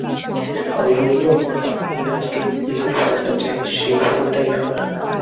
আমি বললুম, আমি আজকের দিনের ফলটা চাই, সেই ফলটাই আমার।